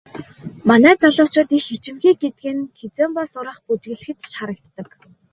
Манай залуучууд их ичимхий гэдэг нь кизомба сурах, бүжиглэхэд ч харагддаг.